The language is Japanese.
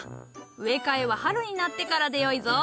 植え替えは春になってからでよいぞ。